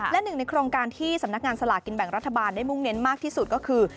และหนึ่งในโครงการที่สำนักงานสลากินแบ่งรัฐบาลได้มุ่งเน้นมากที่สุดก็คือ